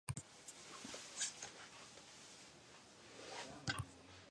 There are currently no approved treatments using embryonic stem cells.